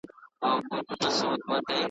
پښتنو درته قسم خورم په پښتو